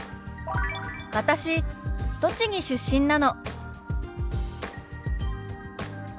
「私栃木出身なの」。